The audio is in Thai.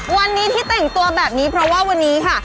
วันนี้ที่แต่งตัวแบบนี้เพราะว่าวันนี้ค่ะ